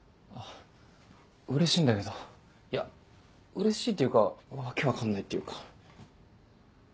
うれしいんだけどいやうれしいっていうか訳分かんないっていうか。